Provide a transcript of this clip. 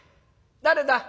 誰だ？